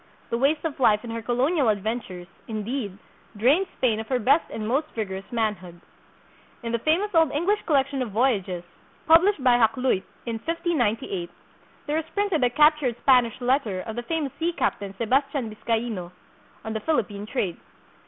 The waste of life in her colonial adventures, indeed, drained Spain of her best and most vigorous manhood. In the famous old English collection of voyages, published by Hakluyt in 1598, there is printed a captured Spanish let ter of the famous sea captain, Sebastian Biscaino, on the Philippine trade.